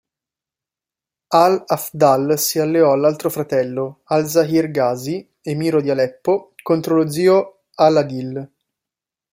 Al-Afdal si alleò all'altro fratello, al-Zahir Ghazi, emiro di Aleppo, contro lo zio Al-'Adil.